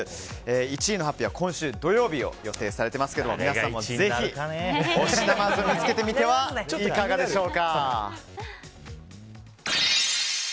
１位の発表は今週土曜日を予定していますが皆さんもぜひ推しナマズを見つけてみてはいかがでしょうか。